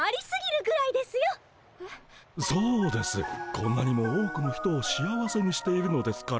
こんなにも多くの人を幸せにしているのですから。